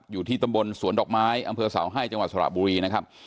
อยู่ที่ตำบลสวนดอกไม้อำเภอเสาให้จังหวัดสระบุรีนะครับ